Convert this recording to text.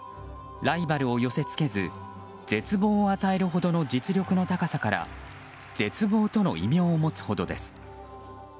ライバルを寄せ付けず絶望を与えるほどの実力の高さから絶望との異名を持つほどです。